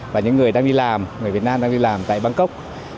và những người đang đi làm người việt nam đang đi làm tại bangkok